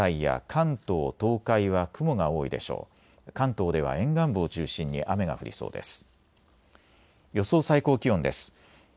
関東では沿岸部を中心に雨が降りそうです。